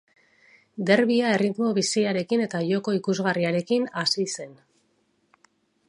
Derbia erritmo biziarekin eta joko ikusgarriarekin hasi zen.